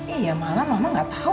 iya malah mama gak tau